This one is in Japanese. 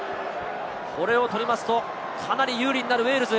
これを取ると、かなり有利になるウェールズ。